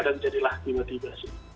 dan jadilah tiba tiba sih